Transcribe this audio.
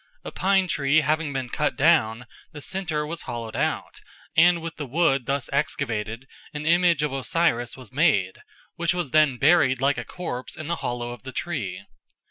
A pine tree having been cut down, the centre was hollowed out, and with the wood thus excavated an image of Osiris was made, which was then buried like a corpse in the hollow of the tree.